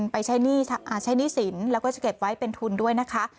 ไปใช้หนี้สินแล้วก็จะเก็บไว้เป็นทุนด้วยนะคะ